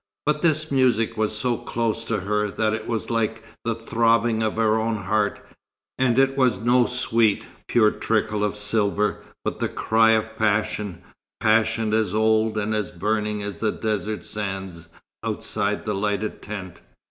But this music was so close to her, that it was like the throbbing of her own heart. And it was no sweet, pure trickle of silver, but the cry of passion, passion as old and as burning as the desert sands outside the lighted tent.